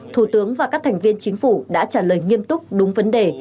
thủ tướng và các thành viên chính phủ đã trả lời nghiêm túc đúng vấn đề